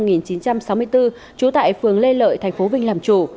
nguyễn thị hương sinh năm hai nghìn bốn trú tại phường lê lợi tp vinh làm chủ